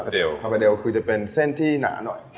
คาบาเดลคือจะเป็นเส้นที่หนาหน่อย